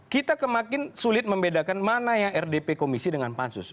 kita ke makin sulit membedakan mana yang rdp komisi dengan pansus